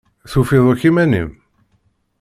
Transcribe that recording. Tufiḍ akk iman-im?